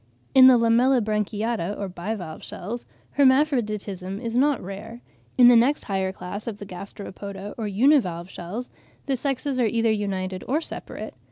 In the Lamellibranchiata, or bivalve shells, hermaphroditism is not rare. In the next higher class of the Gasteropoda, or univalve shells, the sexes are either united or separate.